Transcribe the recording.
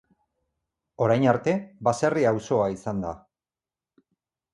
Orain arte, baserri auzoa izan da.